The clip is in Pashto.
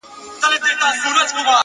علم د انسان فکر لوړوي.!